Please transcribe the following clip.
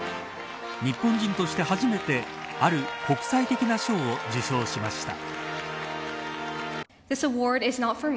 日本人として初めてある国際的な賞を受賞しました。